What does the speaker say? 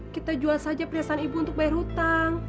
kita jual saja perhiasan ibu untuk bayar hutang